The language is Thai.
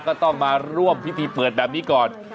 ก็ต้องมาร่วมพิธีเปิดแบบนี้ก่อน